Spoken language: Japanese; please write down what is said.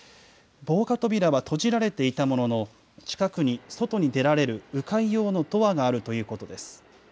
防火扉は閉じられていたものの、近くに外に出られるう回用のドアがあるということです。